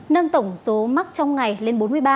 nâng tổng số mắc trong ngày lên bốn mươi ba